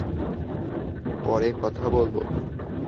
পরে কথা বলব।